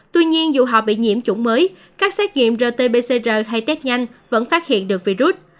tuy nhiên dù họ bị nhiễm chủng mới các xét nghiệm rt pcr hay test nhanh vẫn phát hiện được virus